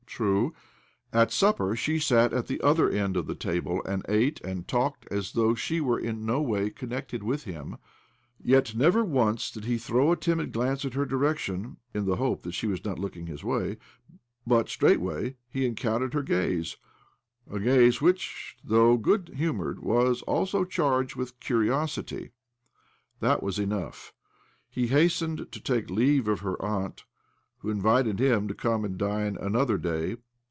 ■ •True, at supper she sat at the other end of the table, and ate and talked as though she were in no way concerned with him ; yet never once did he throw a timid glance in her direction (in the hope that she was not looking his way) but straightway he en OBLOMOV 165 countered her gaze — a gaze which, though good humoured, was also charged with curiosity. That was enough. He hastened to take leave of her aunt, who invited him: to come and dine another day.